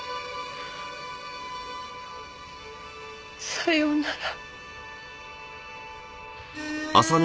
さようなら。